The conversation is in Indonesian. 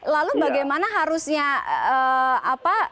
lalu bagaimana harusnya apa